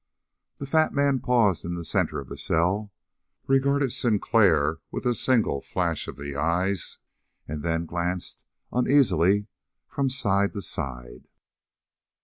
The fat man paused in the center of the cell, regarded Sinclair with a single flash of the eyes, and then glanced uneasily from side to side.